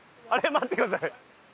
待ってください。